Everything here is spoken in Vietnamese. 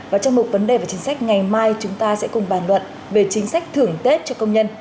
và trong mục vấn đề và chính sách ngày mai chúng ta sẽ cùng bàn luận về chính sách thưởng tết cho công nhân